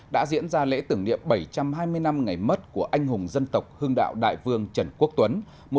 đã diễn ra lễ tưởng niệm bảy trăm hai mươi năm ngày mất của anh hùng dân tộc hương đạo đại vương trần quốc tuấn